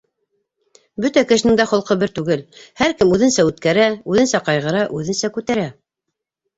Бөтә кешенең дә холҡо бер түгел, һәр кем үҙенсә үткәрә, үҙенсә ҡайғыра, үҙенсә күтәрә.